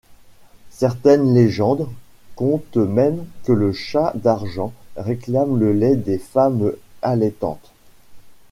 Certaines légendes content même que le chat d'argent réclame le lait des femmes allaitantes.